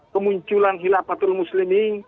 kemunculan hilafatul muslimi